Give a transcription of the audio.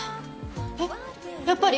えっやっぱり？